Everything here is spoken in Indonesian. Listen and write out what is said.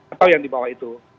atau yang di bawah itu